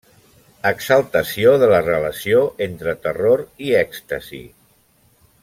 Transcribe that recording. Exaltació de la relació entre terror i èxtasi.